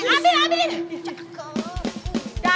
dasar lu ya dasar lu ya